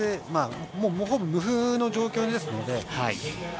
ほぼ無風の状況ですので。